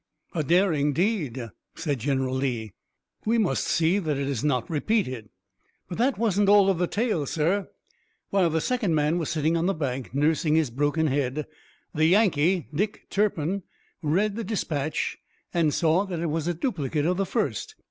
"A daring deed," said General Lee. "We must see that it is not repeated." "But that wasn't all of the tale, sir. While the second man was sitting on the bank, nursing his broken head, the Yankee Dick Turpin read the dispatch and saw that it was a duplicate of the first.